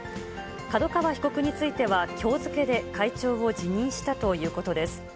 角川被告については、きょう付けで会長を辞任したということです。